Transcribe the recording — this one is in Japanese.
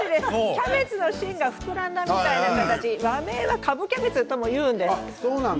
キャベツの芯が膨らんだような形という和名がかぶキャベツというんです。